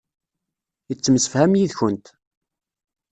Yettemsefham yid-kent.